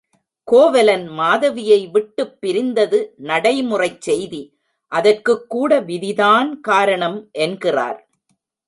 கோவலன் மாதவியை விட்டுப் பிரிந்தது நடைமுறைச் செய்தி, அதற்குக் கூட விதி தான் காரணம் என்கிறார்.